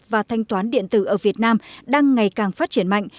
và thanh toán điện tử ở việt nam đang ngày càng phát triển mạnh